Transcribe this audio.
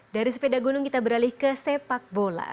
dari sepeda gunung kita beralih ke sepak bola